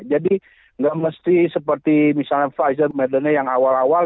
jadi nggak mesti seperti misalnya pfizer medannya yang awal awal